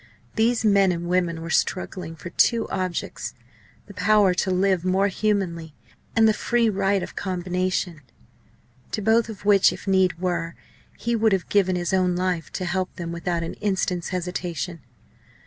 These men and women were struggling for two objects the power to live more humanly, and the free right of combination to both of which, if need were, he would have given his own life to help them without an instant's hesitation.